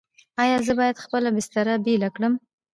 ایا زه باید خپله بستر بیله کړم؟